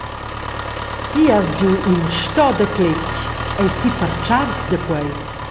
Ti has giu in stoda cletg, eis ti pertscharts da quei?